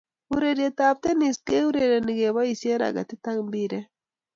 Urerietab Tennis keurereni keboisieen raketit ak mpiret